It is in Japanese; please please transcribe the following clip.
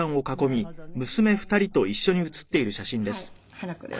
花子です。